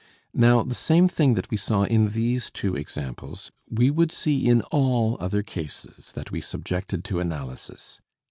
Now, the same thing that we saw in these two examples we would see in all other cases that we subjected to analysis.